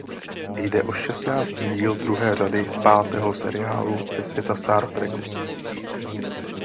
Jde o šestnáctý díl druhé řady pátého seriálu ze světa Star Treku.